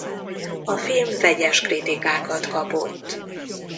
A film vegyes kritikákat kapott.